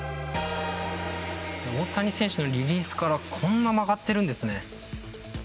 大谷選手のリリースからこんなに曲がっているんですね。